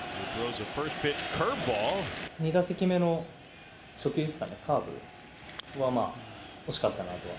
２打席目の初球ですかね、カーブはまあ、惜しかったなとは。